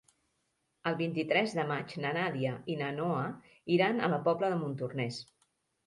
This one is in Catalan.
El vint-i-tres de maig na Nàdia i na Noa iran a la Pobla de Montornès.